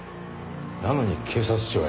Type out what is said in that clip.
なのに警察庁へ？